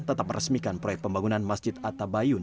tetap meresmikan proyek pembangunan masjid atta bayun